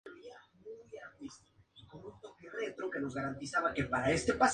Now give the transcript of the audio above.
Podría traducirse tal vez como "La afinidad de media vida".